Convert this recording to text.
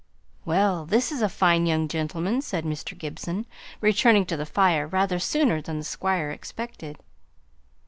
"Well! this is a fine young gentleman," said Mr. Gibson, returning to the fire rather sooner than the Squire expected.